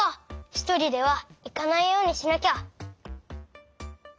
ひとりではいかないようにしなきゃ。